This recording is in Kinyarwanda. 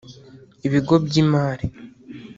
ibigo by’imari